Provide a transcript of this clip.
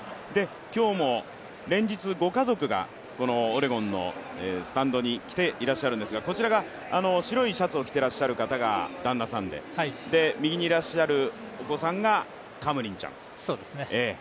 今日も連日、ご家族がこのオレゴンのスタンドに来ていらっしゃるんですがこちらの白いシャツを着ていらっしゃる方が旦那さんで、右にいらっしゃるお子さんがカムリンちゃん。